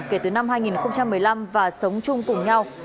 kể từ năm hai nghìn một mươi năm và sống chung cùng nhau